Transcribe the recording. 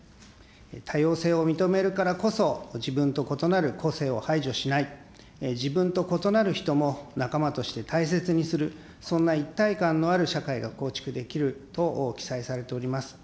多様性を認めるからこそ、自分と異なる個性を排除しない、自分と異なる人も仲間として大切にする、そんな一体感のある社会が構築できると記載されております。